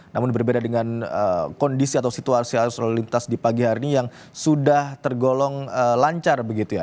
namun berbeda dengan kondisi atau situasi arus lalu lintas di pagi hari ini yang sudah tergolong lancar begitu ya